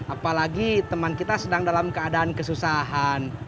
apalagi teman kita sedang dalam keadaan kesusahan